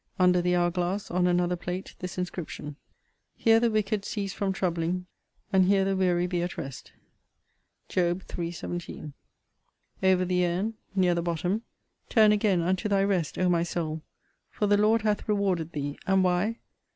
Under the hour glass, on another plate, this inscription: HERE the wicked cease from troubling: and HERE the weary be at rest. Job. iii. 17. Over the urn, near the bottom: Turn again unto thy rest, O my soul! for the Lord hath rewarded thee: And why?